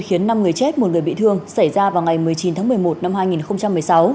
khiến năm người chết một người bị thương xảy ra vào ngày một mươi chín tháng một mươi một năm hai nghìn một mươi sáu